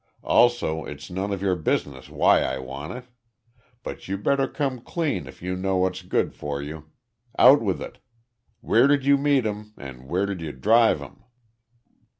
Also, it's none of your business why I want it! But you better come clean if you know what's good for you. Out with it! Where did you meet 'em and where did you drive 'em?"